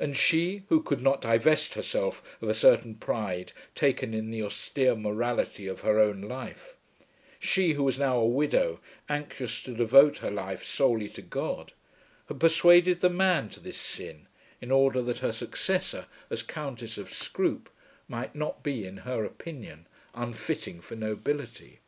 And she, who could not divest herself of a certain pride taken in the austere morality of her own life, she who was now a widow anxious to devote her life solely to God, had persuaded the man to this sin, in order that her successor as Countess of Scroope might not be, in her opinion, unfitting for nobility!